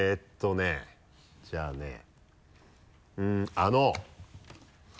あの。